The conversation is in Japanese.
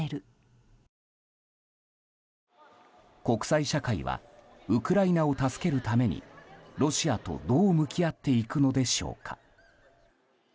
国際社会はウクライナを助けるためにロシアと、どう向き合っていくのでしょうか。